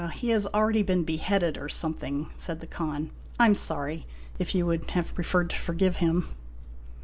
" He has already been beheaded, or something," said the Khan. " I 'm sorry, if you would have preferred to forgive him."